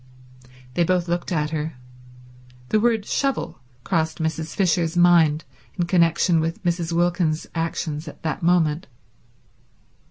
They both looked at her. The word shovel crossed Mrs. Fisher's mind in connection with Mrs. Wilkins's actions at that moment.